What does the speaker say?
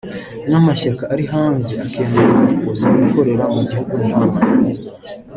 n’amashyaka ari hanze akemererwa kuza gukorera mu gihugu nta mananiza